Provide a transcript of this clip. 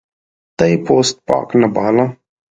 دی پوست پاک نه باله.